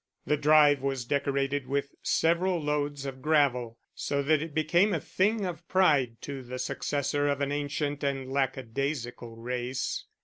The drive was decorated with several loads of gravel, so that it became a thing of pride to the successor of an ancient and lackadaisical race.